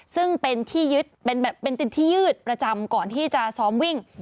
ซึ่งเป็นที่ยืดประจำก่อนที่จะซ้อมวิ่ง